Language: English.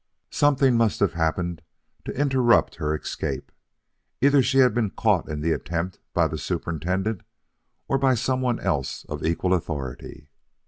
Something must have happened to interrupt her escape. Either she had been caught in the attempt by the superintendent or by some one else of equal authority.